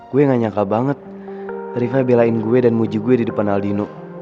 gue gak nyangka banget rifa belain gue dan muji gue di depan aldino